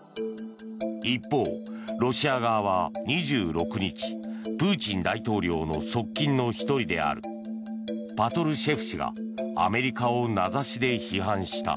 一方、ロシア側は２６日プーチン大統領の側近の１人であるパトルシェフ氏がアメリカを名指しで批判した。